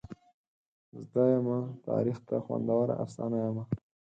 زده یمه تاریخ ته خوندوره افسانه یمه.